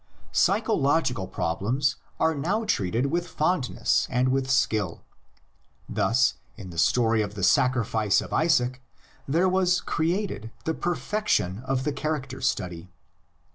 Psycho logical problems are now treated with fondness and with skill. Thus in the story of the sacrifice of Isaac there was created the perfection of the char acter study.